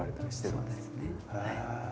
そうですねはい。